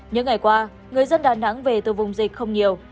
những ngày qua người dân đà nẵng về từ vùng dịch không nhiều